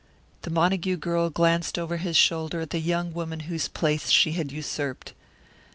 The Montague girl glanced over his shoulder at the young woman whose place she had usurped.